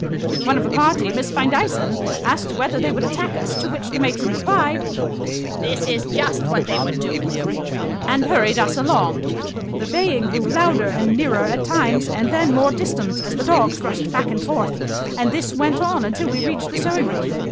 One of the party, Miss Findeisen, asked whether they would attack us, to which the matron replied, "That is just what they would do," and hurried us along. The baying grew louder and nearer at times and then more distant, as the dogs rushed back and forth, and this went on until we reached the sewing room.